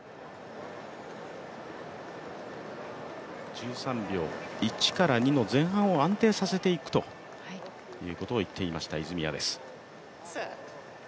１３秒１から２の前半を安定させていくと言うことを言っていました、泉谷です。